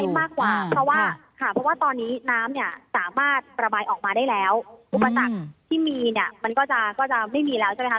มากกว่าเพราะว่าค่ะเพราะว่าตอนนี้น้ำเนี่ยสามารถระบายออกมาได้แล้วอุปสรรคที่มีเนี่ยมันก็จะก็จะไม่มีแล้วใช่ไหมคะ